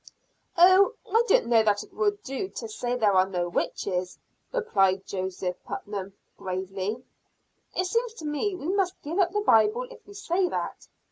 "Oh, I don't know that it will do to say there are no witches," replied Joseph Putnam gravely. "It seems to me we must give up the Bible if we say that.